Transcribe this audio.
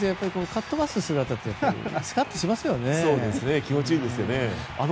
かっ飛ばす姿って気持ちいいですよね。